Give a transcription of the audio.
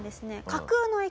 架空の駅